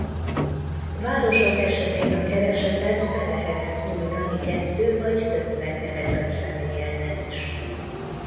Városok esetén a keresetet be lehetett nyújtani kettő vagy több megnevezett személy ellen is.